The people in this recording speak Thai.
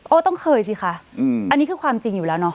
ต้องเคยสิคะอันนี้คือความจริงอยู่แล้วเนาะ